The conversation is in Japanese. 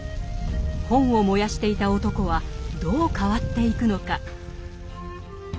本を燃やしていた男はどう変わっていくのか。